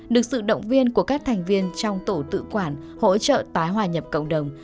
được sự động viên của các thành viên trong tổ tự quản hỗ trợ tái hòa nhập cộng đồng